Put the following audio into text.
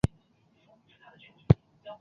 淡马锡勋章分三等。